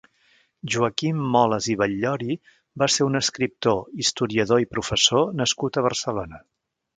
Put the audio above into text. Joaquim Molas i Batllori va ser un escriptor, historiador i professor nascut a Barcelona.